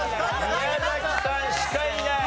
宮崎さんしかいない。